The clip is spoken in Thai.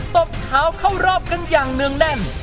ตบเท้าเข้ารอบกันอย่างเนื่องแน่น